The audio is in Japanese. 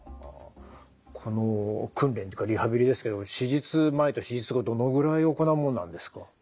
この訓練というかリハビリですけど手術前と手術後どのぐらい行うものなんですか？